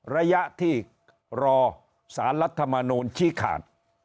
ระยะที่รอสารรัฐมนูลชี้ขาด